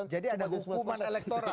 jadi ada hukuman elektoral